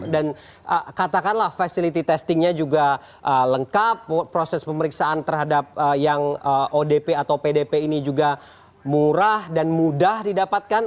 dan katakanlah facility testingnya juga lengkap proses pemeriksaan terhadap yang odp atau pdp ini juga murah dan mudah didapatkan